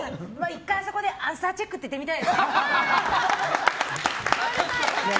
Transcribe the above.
１回あそこでアンサーチェックって言ってみたいですね。